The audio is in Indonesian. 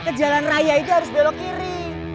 ke jalan raya itu harus belok kiri